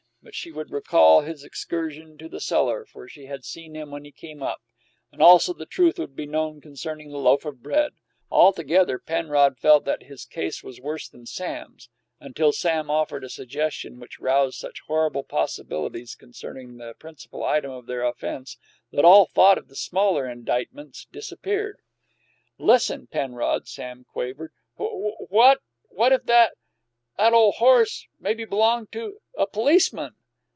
But she would recall his excursion to the cellar, for she had seen him when he came up; and also the truth would be known concerning the loaf of bread. Altogether, Penrod felt that his case was worse than Sam's until Sam offered a suggestion which roused such horrible possibilitites concerning the principal item of their offense that all thought of the smaller indictments disappeared. "Listen, Penrod," Sam quavered: "What what if that what if that ole horse maybe b'longed to a policeman!"